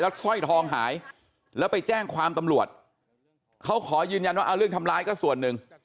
สร้อยทองหายแล้วไปแจ้งความตำรวจเขาขอยืนยันว่าเอาเรื่องทำร้ายก็ส่วนหนึ่ง